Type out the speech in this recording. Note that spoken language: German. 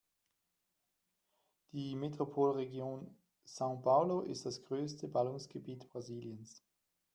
Die Metropolregion São Paulo ist das größte Ballungsgebiet Brasiliens.